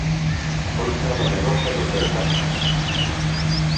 Oitava derrota do Celta na casa.